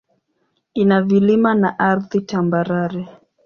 Ina vilima na ardhi tambarare.